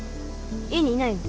家にいないの？